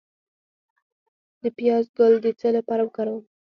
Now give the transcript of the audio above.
د پیاز ګل د څه لپاره وکاروم؟